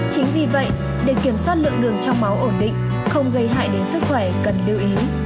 chính vì vậy để kiểm soát lượng đường trong máu ổn định không gây hại đến sức khỏe cần lưu ý